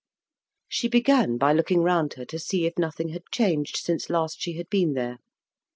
She began by looking round her to see if nothing had changed since last she had been there.